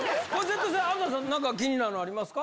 安斉さん、何か気になるのありますか？